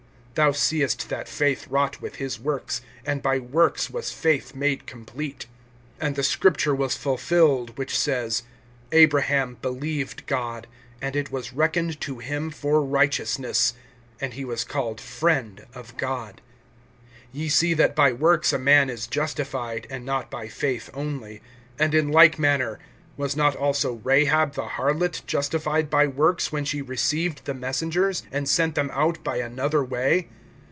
(22)Thou seest that faith wrought with his works, and by works was faith made complete. (23)And the scripture was fulfilled which says: Abraham believed God, and it was reckoned to him for righteousness; and he was called, Friend of God. (24)Ye see that by works a man is justified, and not by faith only. (25)And in like manner, was not also Rahab the harlot justified by works, when she received the messengers, and sent them out by another way?